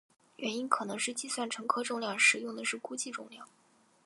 原因可能是计算乘客重量时用的是估计重量。